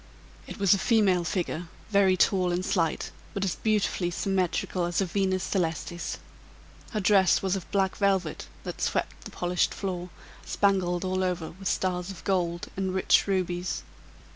It was a female figure, very tall and slight, but as beautifully symmetrical as a Venus Celestis. Her dress was of black velvet, that swept the polished floor, spangled all over with stars of gold and rich rubies.